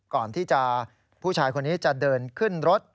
ก่อนที่ผู้ชายคนนี้จะเดินขึ้นรถ